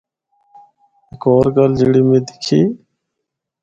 ہک ہور گل جِڑّی میں دِکھی۔